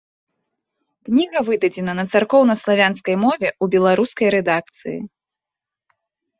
Кніга выдадзена на царкоўнаславянскай мове ў беларускай рэдакцыі.